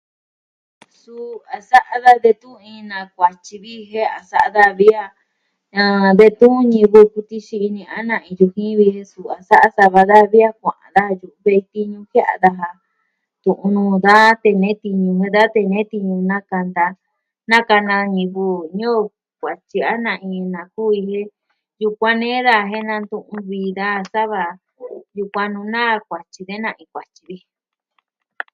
Suu a sa'a da iin a na kuatyi vi jen a sa'a da vi a detun ñivɨ kuu tixii ni ni a na iin yujii ve su a sa'a va da vi a kua'an da yuve'i tiñu jiaa daja. Tu'un nuu da tee nee tiñu nee da tee nee tiñu nakanta. Nakana nivɨ niuu kuatyi, a na ini na koo. Yukuan ni e da jen natu'u vi va nuu naa kuatyi de na kuatyi vi.